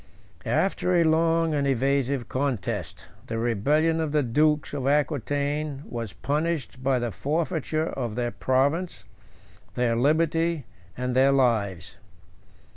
After a long and evasive contest, the rebellion of the dukes of Aquitain was punished by the forfeiture of their province, their liberty, and their lives.